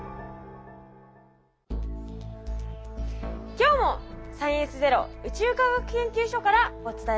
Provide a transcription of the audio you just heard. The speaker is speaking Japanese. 今日も「サイエンスＺＥＲＯ」宇宙科学研究所からお伝えしていきます。